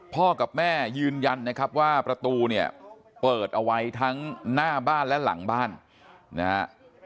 พ่อกับแม่ยืนยันนะครับว่าประตูเนี่ยเปิดเอาไว้ทั้งหน้าบ้านและหลังบ้านนะฮะ